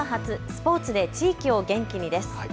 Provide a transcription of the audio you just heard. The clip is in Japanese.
スポーツで地域を元気にです。